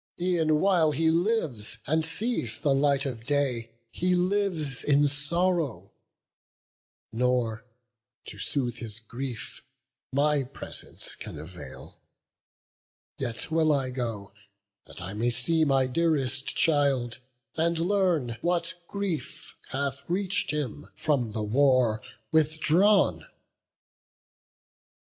E'en while he lives, and sees the light of day, He lives in sorrow; nor, to soothe his grief, My presence can avail; yet will I go, That I may see my dearest child, and learn What grief hath reach'd him, from the war withdrawn."